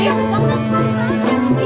ikan bangunan semuanya